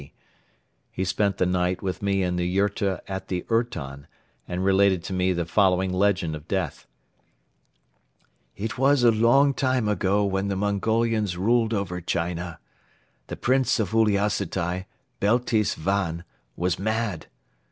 He spent the night with me in the yurta at the ourton and related to me the following legend of death. "It was a long time ago when the Mongolians ruled over China. The Prince of Uliassutai, Beltis Van, was mad.